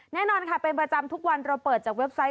แน่นอนค่ะเป็นประจำทุกวันเราเปิดจากเว็บไซต์